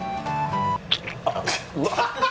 あっ。